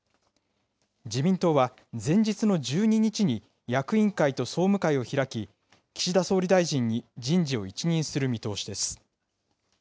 自民党は前日の１２日に、役員会と総務会を開き、岸田総理大臣に人事を一任する見通しです。